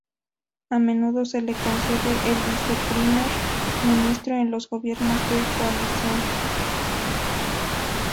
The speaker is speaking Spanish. A menudo se le concede al viceprimer ministro en los gobiernos de coalición.